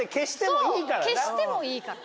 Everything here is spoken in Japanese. そう消してもいいから。